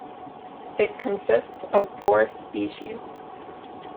It consists of four species.